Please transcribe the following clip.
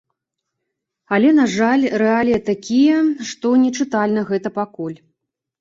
Але, на жаль, рэаліі такія, што не чытэльна гэта пакуль.